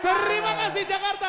terima kasih jakarta